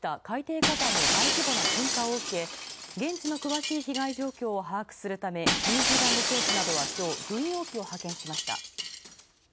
南太平洋の島国トンガで起きた海底火山の大規模な噴火を受け現地の詳しい被害状況を把握するため、ニュージーランド政府などはきょう軍用機を派遣しました。